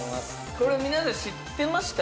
これは皆さん知ってました？